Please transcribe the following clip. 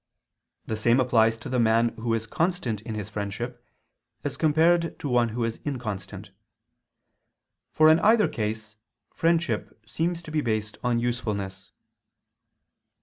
The same applies to the man who is constant in his friendship as compared to one who is inconstant. For in either case friendship seems to be based on usefulness.